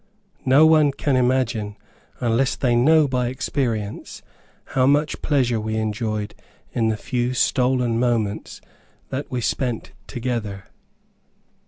No one can imagine, unless they know by experience, how much pleasure we enjoyed in the few stolen moments that we spent together.